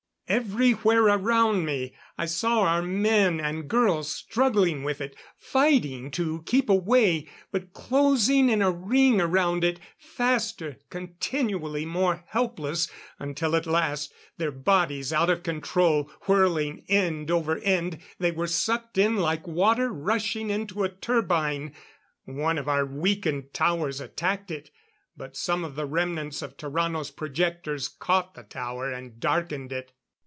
Everywhere around me I saw our men and girls struggling with it, fighting to keep away, but closing in a ring around it ... faster, continually more helpless until at last, their bodies out of control whirling end over end, they were sucked in like water rushing into a turbine.... One of our weakened towers attacked it; but some of the remnants of Tarrano's projectors caught the tower and darkened it.